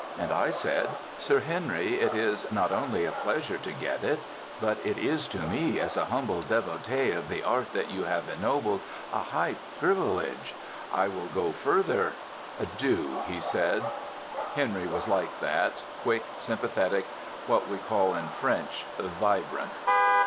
and I said, "Sir Henry, it is not only a pleasure to get it but it is to me, as a humble devotee of the art that you have ennobled, a high privilege. I will go further " "Do," he said. Henry was like that, quick, sympathetic, what we call in French "vibrant."